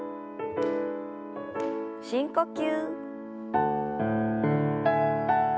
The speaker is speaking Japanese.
深呼吸。